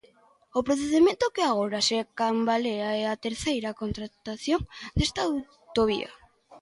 O procedemento que agora se cambalea é a terceira contratación desta autovía.